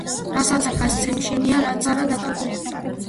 რასაცა გასცემ შენია, რაც არა დაკარგული